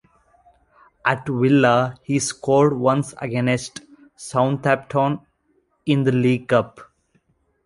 At Villa he scored once against Southampton in the League Cup.